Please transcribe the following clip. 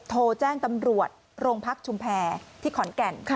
โทรแจ้งตำรวจโรงพักชุมแพรที่ขอนแก่น